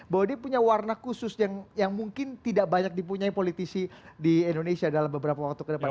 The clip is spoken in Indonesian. bahwa dia punya warna khusus yang mungkin tidak banyak dipunyai politisi di indonesia dalam beberapa waktu ke depan